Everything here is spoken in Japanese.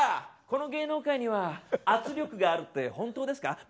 「この芸能界には圧力があるって本当ですか？」。